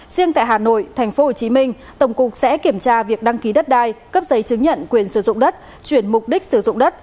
riêng tại hà nội tp hcm tổng cục sẽ kiểm tra việc đăng ký đất đai cấp giấy chứng nhận quyền sử dụng đất chuyển mục đích sử dụng đất